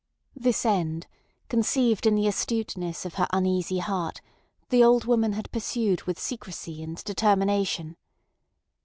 This end, conceived in the astuteness of her uneasy heart, the old woman had pursued with secrecy and determination.